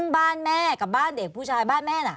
บ้านแม่กับบ้านเด็กผู้ชายบ้านแม่น่ะ